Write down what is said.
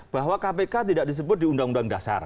bahwa kpk tidak disebut di undang undang dasar